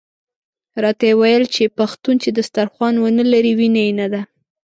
راته ویل یې پښتون چې دسترخوان ونه لري وینه یې نده.